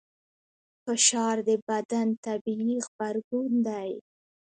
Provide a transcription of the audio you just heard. فشار د بدن طبیعي غبرګون دی.